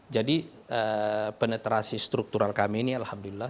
jadi penetrasi struktural kami ini alhamdulillah